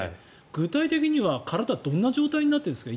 具体的には体はどんな状態になってるんですか？